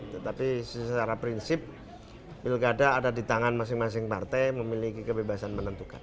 tetapi secara prinsip pilkada ada di tangan masing masing partai memiliki kebebasan menentukan